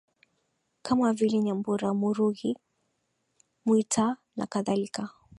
kama vile Nyambura Murughi Mwita nakadhalika